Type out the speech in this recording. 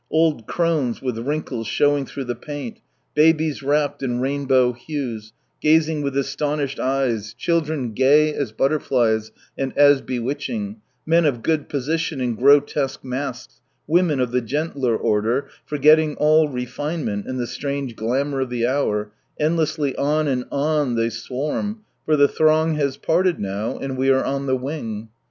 Old crones with wrinkles showing through the paint, babies wrapped in rainbow hues, gazing with astonished eyes, children gay as butterflies and as bewitching, men of good position in grotesque masks, women of the gentler order, forgetting all refinement in the strange glamour of the hour^ endlessly on and on they swarm, for the throng has parted now, and we are on the wing.